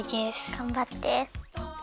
がんばって。